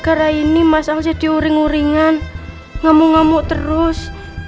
karena ini mas al jadi uring uringan ngamuk ngamuk terus